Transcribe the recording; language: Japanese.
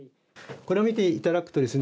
これを見ていただくとですね。